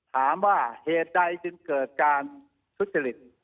ถามว่าเหตุใดจึงเกิดการทุจจฤทธิ์